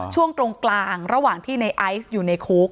ช่วงตรงกลางระหว่างที่ในไอซ์อยู่ในคุก